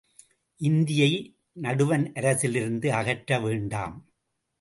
இந்தியை நடுவணரசிலிருந்து அகற்ற வேண்டாம்.